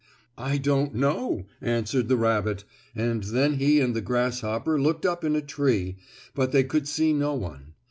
"I don't know," answered the rabbit, and then he and the grasshopper looked up in a tree, but they could see no one.